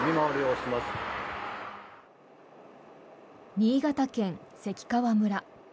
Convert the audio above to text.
新潟県関川村。